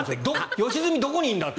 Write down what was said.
良純、どこにいんだって。